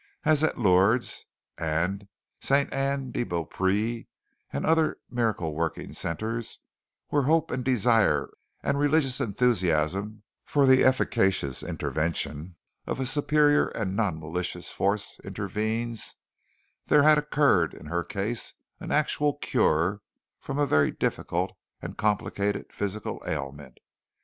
As at Lourdes and St. Anne de Beau Pré and other miracle working centres, where hope and desire and religious enthusiasm for the efficacious intervention of a superior and non malicious force intervenes, there had occurred in her case an actual cure from a very difficult and complicated physical ailment.